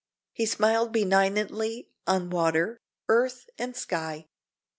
He smiled benignantly on water, earth, and sky.